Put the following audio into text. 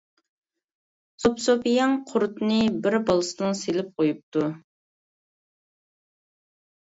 سوپىسوپىياڭ قۇرۇتنى بىر بالىسىنىڭ سېلىپ قويۇپتۇ.